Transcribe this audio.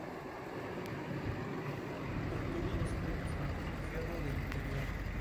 Obtuvo dos premios Martín Fierro del Interior.